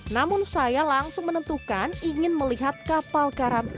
namun saya langsung menentukan ingin melihat kapal karam